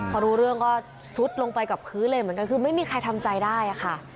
พอรู้เรื่องก็ซุดลงไปกับพื้นเลยเหมือนกันคือไม่มีใครทำใจได้ค่ะ